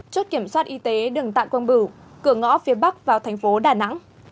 chốt kiểm soát y tế đường tạng quang bửu cửa ngõ phía bắc vào thành phố đà nẵng